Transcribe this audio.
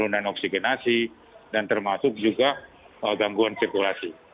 penurunan oksigenasi dan termasuk juga gangguan sirkulasi